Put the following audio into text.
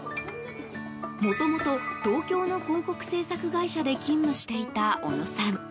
もともと、東京の広告制作会社で勤務していた小野さん。